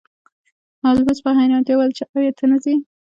هولمز په حیرانتیا وویل چې ایا ته نه ځې